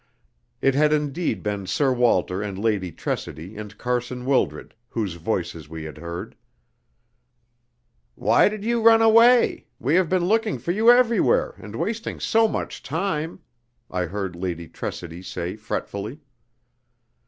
It had indeed been Sir Walter and Lady Tressidy and Carson Wildred whose voices we had heard. "Why did you run away? We have been looking for you everywhere, and wasting so much time!" I heard Lady Tressidy say fretfully.